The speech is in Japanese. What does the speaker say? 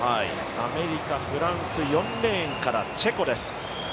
アメリカ、フランス、４レーンからチェコです。